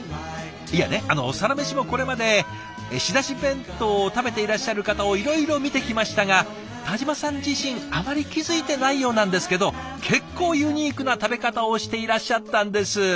いやねあの「サラメシ」もこれまで仕出し弁当を食べていらっしゃる方をいろいろ見てきましたが田嶋さん自身あまり気付いてないようなんですけど結構ユニークな食べ方をしていらっしゃったんです。